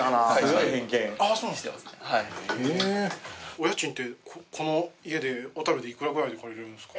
お家賃ってこの家で小樽でいくらくらいで借りられるんですか？